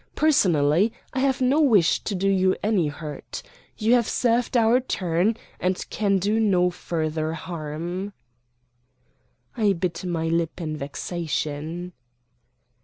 Personally, I have no wish to do you any hurt. You have served our turn, and can do no further harm." I bit my lip in vexation.